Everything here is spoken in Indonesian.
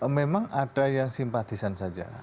memang ada yang simpatisan saja